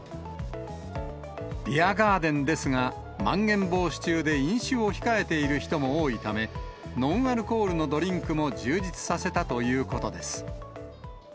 ビアガーデンですが、まん延防止中で飲酒を控えている人も多いため、ノンアルコールのドリンクも充実させたということです。